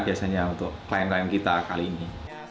biasanya untuk klien klien kita kali ini